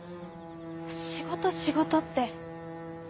仕事仕事って。